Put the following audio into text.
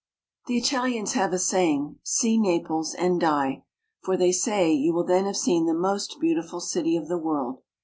THE Italians have a saying, " See Naples and die," for, they say, you will then have seen the most beautiful city of the world.